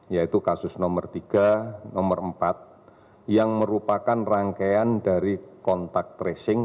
yaitu kasus nomor tiga nomor empat yang merupakan rangkaian dari kontak tracing